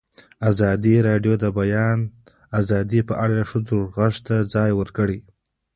ازادي راډیو د د بیان آزادي په اړه د ښځو غږ ته ځای ورکړی.